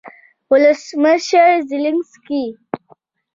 ولسمشرزیلینسکي